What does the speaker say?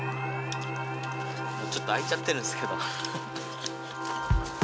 ちょっと開いちゃってるんですけど。